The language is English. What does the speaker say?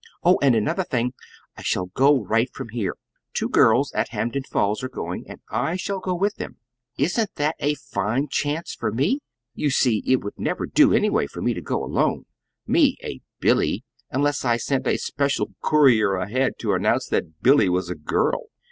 "Oh, and another thing; I shall go right from here. Two girls at Hampden Falls are going, and I shall go with them. Isn't that a fine chance for me? You see it would never do, anyway, for me to go alone me, a 'Billy' unless I sent a special courier ahead to announce that 'Billy' was a girl.